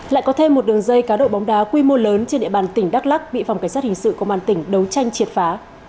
lại có thêm một đường dây cá độ bóng đá quy mô lớn trên địa bàn tỉnh đắk lắc bị phòng cảnh sát hình sự công an tỉnh đấu tranh triệt phá